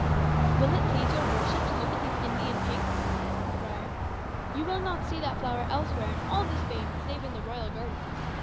"Will it please your worship to look at these Indian pinks?" said the friar. "You will not see that flower elsewhere in all the Spains, save in the royal gardens.